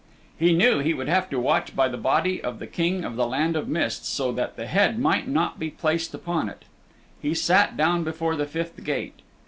He knew he would have to watch by the body of the King of the Land of Mist, so that the head might not be placed upon it. He sat down before the fifth gate.